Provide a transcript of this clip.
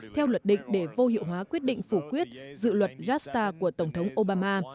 theo luật định để vô hiệu hóa quyết định phủ quyết dự luật jastar của tổng thống obama